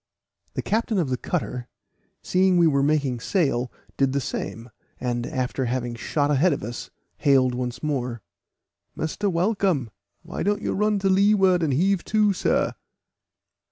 The captain of the cutter, seeing we were making sail, did the same, and after having shot ahead of us, hailed once more. "Mr. Walcolm, why don't you run to leeward, and heave to, sir?"